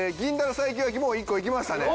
西京焼きもう１個いきましたね。